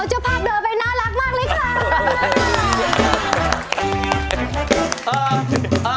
เจ้าภาพเดินไปน่ารักมากเลยค่ะ